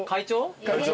会長？